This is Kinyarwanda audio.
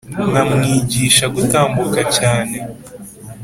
nkamwigisha gutambuka cyane